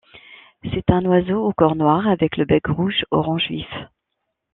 C'est un oiseau au corps noir avec le bec rouge-orange vif.